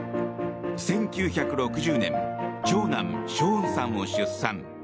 １９６０年、長男ショーンさんを出産。